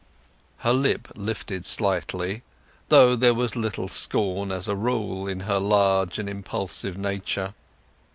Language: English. Her lip lifted slightly, though there was little scorn, as a rule, in her large and impulsive nature.